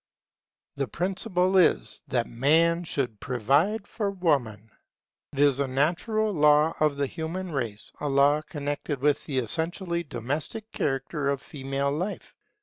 The principle is, that Man should provide for Woman. It is a natural law of the human race; a law connected with the essentially domestic character of female life.